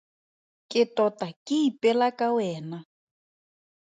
Ke tota ke ipela ka wena.